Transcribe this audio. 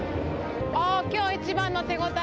今日一番の手応えや。